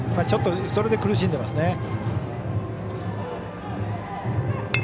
ちょっとそれで苦しんでいますね。